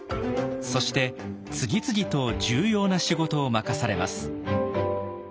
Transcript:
そして次々と重要な仕事を任されます。